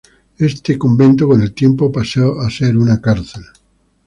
Este convento con el tiempo pasó a ser una cárcel.